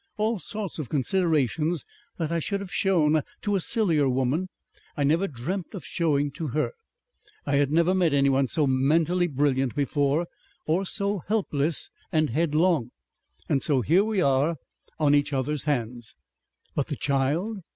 All sorts of considerations that I should have shown to a sillier woman I never dreamt of showing to her. I had never met anyone so mentally brilliant before or so helpless and headlong. And so here we are on each other's hands!" "But the child?